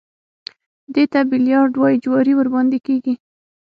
دې ته بيليارډ وايي جواري ورباندې کېږي.